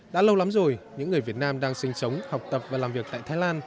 đã lâu lắm rồi những người việt nam đang sinh sống học tập và làm việc tại thái lan